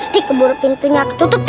di keburu pintunya ketutup tuh